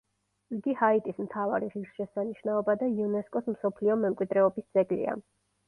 იგი ჰაიტის მთავარი ღირსშესანიშნაობა და იუნესკოს მსოფლიო მემკვიდრეობის ძეგლია.